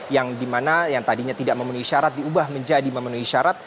yang dimana yang tadinya tidak memenuhi syarat diubah menjadi memenuhi syarat